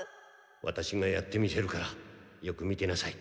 ワタシがやってみせるからよく見てなさい。